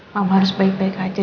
mama harus baik baik aja